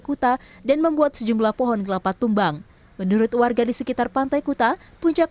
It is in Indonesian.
kuta dan membuat sejumlah pohon kelapa tumbang menurut warga di sekitar pantai kuta puncak